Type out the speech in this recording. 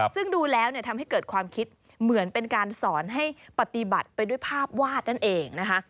ซึ่งดูแล้วทำให้เกิดความคิดเหมือนเป็นการสอนให้ปฏิบัติไปด้วยภาพวาดนั่นเองนะคะ